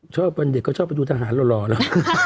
ชอบวันเด็กเขาชอบไปดูทหารรอแล้ว